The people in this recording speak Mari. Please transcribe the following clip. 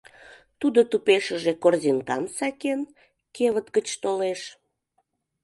Тудо тупешыже корзинкам сакен, кевыт гыч толеш.